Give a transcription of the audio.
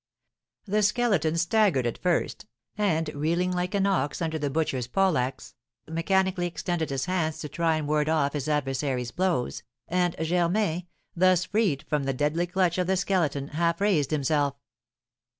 The Skeleton staggered at first, and, reeling like an ox under the butcher's poleaxe, mechanically extended his hands to try and ward off his adversary's blows, and Germain, thus freed from the deadly clutch of the Skeleton, half raised himself.